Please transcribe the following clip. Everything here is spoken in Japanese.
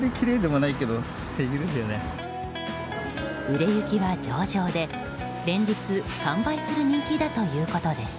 売れ行きは上々で連日完売する人気だということです。